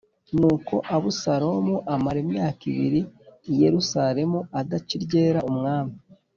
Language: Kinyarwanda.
Nuko Abusalomu amara imyaka ibiri i Yerusalemu, adaca iryera umwami.